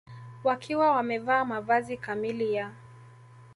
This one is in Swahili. wakiwa wamevaa mavazi kamili ya